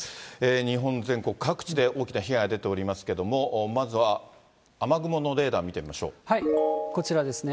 日本全国各地で大きな被害が出ておりますけれども、まずは雨こちらですね。